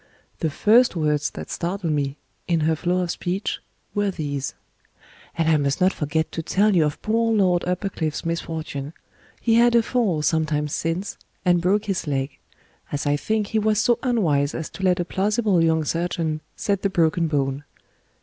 The first words that startled me, in her flow of speech, were these: "And I must not forget to tell you of poor Lord Uppercliff's misfortune. He had a fall, some time since, and broke his leg. As I think, he was so unwise as to let a plausible young surgeon set the broken bone.